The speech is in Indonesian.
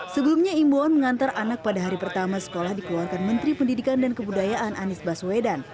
sebelumnya imbuan mengantar anak pada hari pertama sekolah dikeluarkan menteri pendidikan dan kebudayaan anies baswedan